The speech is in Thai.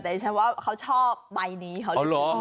แต่ฉันว่าเขาชอบใบนี้เท่าจริง